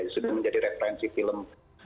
sudah menjadi referensi film